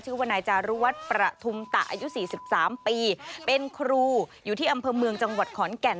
ชื่อว่านายจารวจประธุมตะอายุสี่สิบสามปีเป็นครูอยู่ที่อำเภอเมืองจังหวัดขอนแก่น